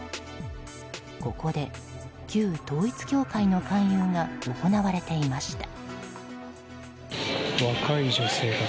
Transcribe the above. ここで旧統一教会の勧誘が行われていました。